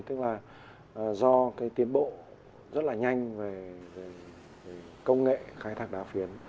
tức là do cái tiến bộ rất là nhanh về công nghệ khai thác đá phiến